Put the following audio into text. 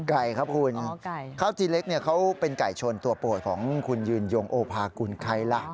ไก่ครับคุณข้าวจีเล็กเนี่ยเขาเป็นไก่ชนตัวโปรดของคุณยืนยงโอภากุลใครล่ะ